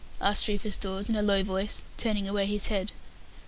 asked Rufus Dawes in a low voice, turning away his head.